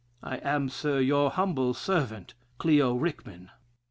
"I am, Sir, your humble servant, "Clio Rickman."